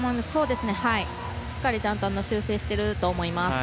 しっかりと修正していると思います。